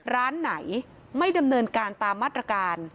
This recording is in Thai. ร้านไหนไม่ดำเนินการตามมาตรการ